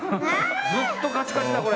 ずっとカチカチだこれ。